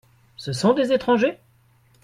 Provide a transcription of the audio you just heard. Ce sont des étrangers ?